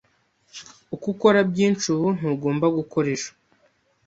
Uko ukora byinshi ubu, ntugomba gukora ejo